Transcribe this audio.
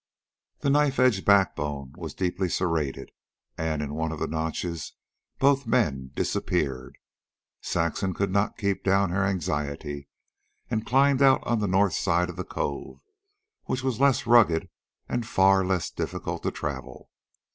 The knife edge backbone was deeply serrated, and into one of the notches both men disappeared. Saxon could not keep down her anxiety, and climbed out on the north side of the cove, which was less rugged and far less difficult to travel.